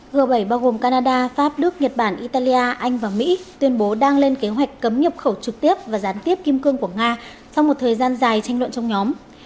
g bảy bao gồm canada pháp đức nhật bản italia anh và mỹ tuyên bố đang lên kế hoạch cấm nhập khẩu trực tiếp và gián tiếp kim cương của nga sau một thời gian dài tranh luận trong nhóm